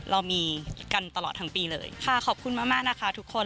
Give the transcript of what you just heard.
เรามีกันตลอดทั้งปีเลยค่ะขอบคุณมากมากนะคะทุกคน